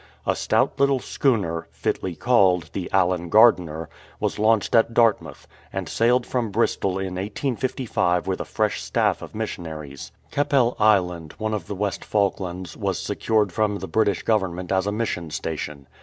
A stout little schooner, fitly called the Allen Gardiner^ was launched at Dartmouth, and sailed from Bristol in 1855 with a fresh staff of missionaries. Keppel Island, one of the West Falklands, was secured from the British Govern ment as a mission station.